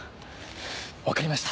わかりました。